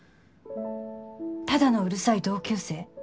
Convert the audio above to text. ただのうるさい同級生。